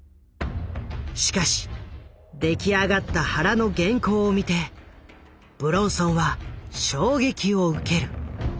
しかし出来上がった原の原稿を見て武論尊は衝撃を受ける。